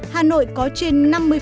hà nội có trên năm mươi